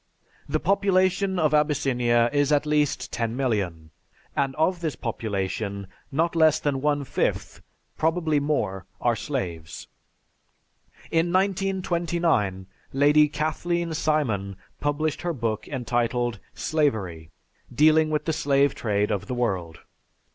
The population of Abyssinia is at least ten million, and of this population not less than one fifth, probably more, are slaves. In 1929, Lady Kathleen Simon published her book entitled, "Slavery," dealing with the slave trade of the world.